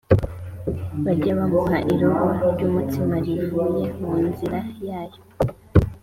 bajye bamuha irobe ry’umutsima rivuye mu nzira yayo